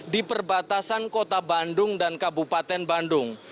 di perbatasan kota bandung dan kabupaten bandung